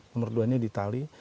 nomor duanya di itali